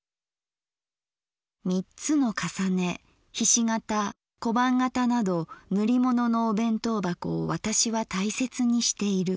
「三つの重ね菱形小判型など塗り物のお弁当箱を私は大切にしている。